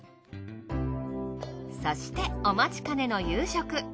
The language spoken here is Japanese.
そしてお待ちかねの夕食。